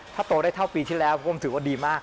ถ้าโตได้เท่าปีที่แล้วผมถือว่าดีมาก